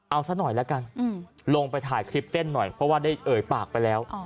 เอาซะหน่อยละกันลงไปถ่ายคลิปเต้นหน่อยเพราะว่าได้เอ่ยปากไปแล้ว